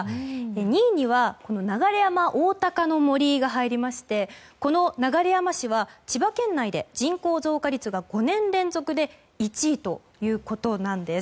２位には流山おおたかの森が入りましてこの流山市は千葉県内で人口増加率が５年連続で１位ということなんです。